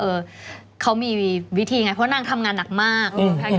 เออเขามีวิธีไงเพราะนางทำงานหนักมาก